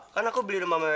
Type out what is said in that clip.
kan aku beli rumah mewahnya